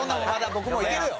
僕もいけるよ！